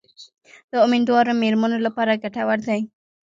د امیندواره میرمنو لپاره ګټور دي.